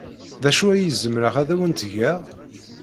D acu ay zemreɣ ad awen-t-geɣ?